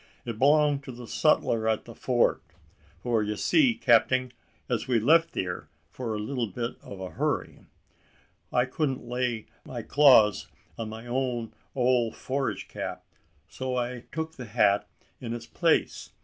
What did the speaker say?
"It b'longed to the sutler at the Fort: for yee see, capting, as we left theere for a leetle bit o' a hurry, I couldn't lay my claws on my own ole forage cap; so I took the hat in its place?